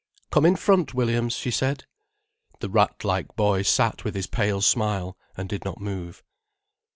"Come in front, Williams," she said. The rat like boy sat with his pale smile and did not move.